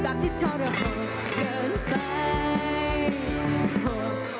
หลักที่ทรพจน์เกินไป